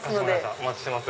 お待ちしてます。